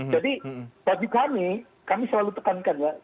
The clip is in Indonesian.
jadi bagi kami kami selalu tekankan ya